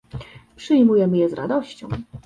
Przyjmujemy je z radością